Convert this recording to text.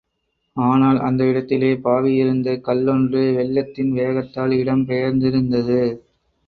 ஆனால், அந்த இடத்திலே பாவியிருந்த கல்லொன்று வெள்ளத்தின் வேகத்தால் இடம் பெயர்ந்திருந்தது.